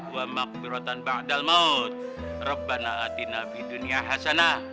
wa barokatan fil jasad